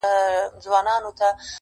لعل په ایرو کي نه ورکېږي -